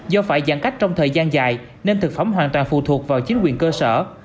do phải giãn cách trong thời gian dài nên thực phẩm hoàn toàn phụ thuộc vào chính quyền cơ sở